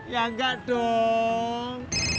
ya enggak dong